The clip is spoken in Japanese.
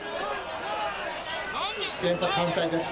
原発反対です。